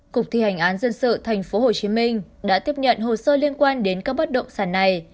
cục thi hành án dân sự tp hcm đã tiếp nhận hồ sơ liên quan đến các bất động sản này